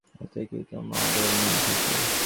এতে কি তোমাদের মান থাকবে?